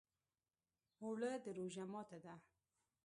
اوړه د روژې ماته ده